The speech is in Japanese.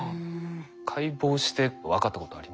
解剖して分かったことありますか？